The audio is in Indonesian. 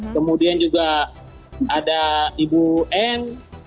kemudian juga ada ibu n